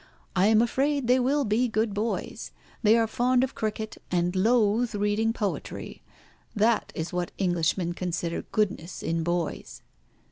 I am afraid they will be good boys. They are fond of cricket, and loathe reading poetry. That is what Englishmen consider goodness in boys."